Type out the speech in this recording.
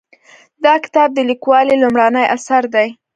دا کتاب د لیکوالې لومړنی اثر دی